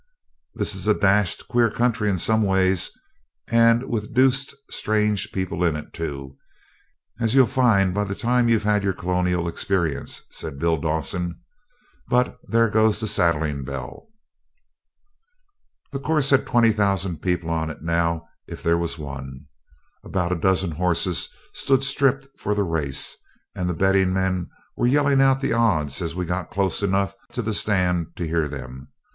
'This is a dashed queer country in some ways, and with deuced strange people in it, too, as you'll find by the time you've had your colonial experience,' says Bill Dawson; 'but there goes the saddling bell!' The course had 20,000 people on it now if there was one. About a dozen horses stood stripped for the race, and the betting men were yelling out the odds as we got close enough to the stand to hear them.